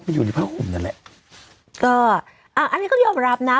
มันอยู่ในพระขมนั่นแหละก็อ่าอันนี้ก็ยอมรับน่ะ